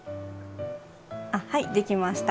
あはいできました。